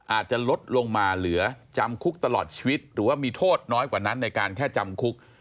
อาจจะลดลงมาเหลือจำคุกตลอดชีวิตหรือว่ามีโทษน้อยกว่านั้นในการแค่จำคุก